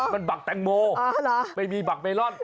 มันบักแตงโมไม่มีบักเมลอน